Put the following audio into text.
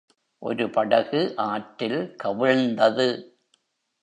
ஒரு படகு ஆற்றில் கவிழ்ந்தது.